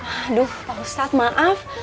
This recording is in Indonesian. aduh pak ustadz maaf